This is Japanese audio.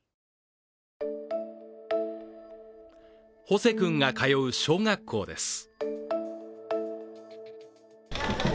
ホセ君が通う小学校です。